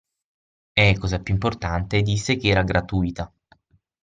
E, cosa più importante, disse che era gratuita.